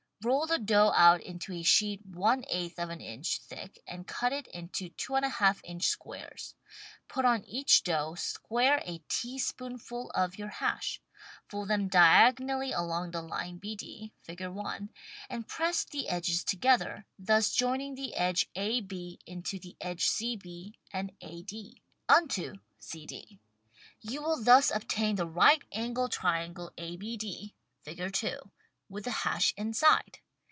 Roll the dough out into a sheet % of an inch thick and cut it into 2J/2 inch squares. Put on each dough square a teaspoonful of your hash; fold them diagonally along the line BD (Fig. i) and press the edges together, thus joining the edge AB unto the edge CB and AD THE STAG COOK BOOK unto CD. You will thus obtain the right angle triangle ABD (Fig. 2) with the hash inside.